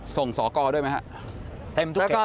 สอกรด้วยไหมครับ